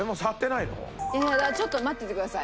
いやちょっと待っててください。